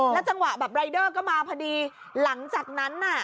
จังหวะแบบรายเดอร์ก็มาพอดีหลังจากนั้นน่ะ